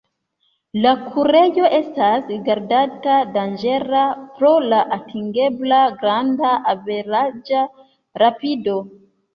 La kurejo estas rigardata danĝera pro la atingebla granda averaĝa rapido.